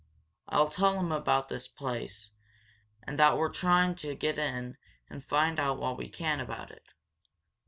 I'll tell him about this place, and that we're trying to get in and find out what we can about it.